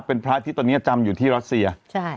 เป็นพระที่ตอนนี้จำอยู่ที่รัสเซียใช่